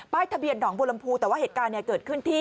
ใบ้ทะเบียนหนองบลมพูแต่ว่าเหตุการณ์เกิดขึ้นที่